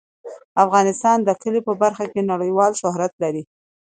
افغانستان د کلي په برخه کې نړیوال شهرت لري.